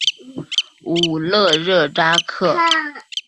武勒热扎克。